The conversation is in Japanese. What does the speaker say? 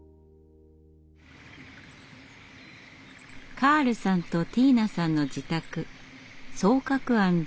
カールさんとティーナさんの自宅双鶴庵では。